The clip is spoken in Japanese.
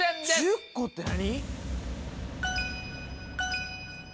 １０個って何？